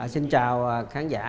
xin chào khán giả